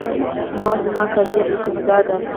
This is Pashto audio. ما ویل زما قضیه بیخي جدا ده.